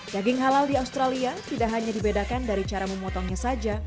daging halal di australia tidak hanya dibedakan dari cara memotongnya saja